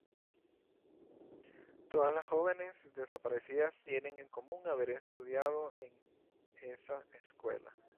Todas las jóvenes desaparecidas tienen en común haber estudiado en esa escuela.